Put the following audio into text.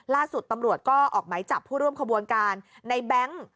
ล่าสุดตำรวจก็ออกไหมจับผู้ร่วมขบวนการในแบงค์